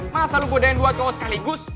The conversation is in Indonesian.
masa lo bodain dua cowok sekaligus